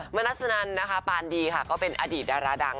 มนัสนันนะคะปานดีค่ะก็เป็นอดีตดาราดัง